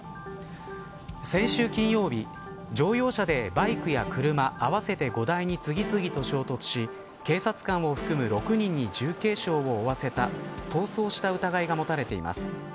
先週金曜日乗用車でバイクや車合わせて５台に次々と衝突し警察官を含む６人に重軽傷を負わせた逃走した疑いが持たれています。